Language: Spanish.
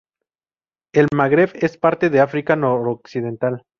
El Magreb es parte de África noroccidental.